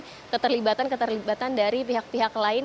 kenapa ini diberikan keterlibatan keterlibatan dari pihak pihak lain